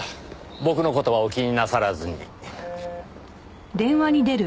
僕の事はお気になさらずに。